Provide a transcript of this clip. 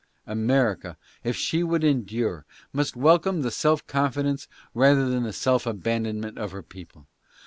America, if she would endure, must welcome the self confidence rather than the self abandon ment of her people.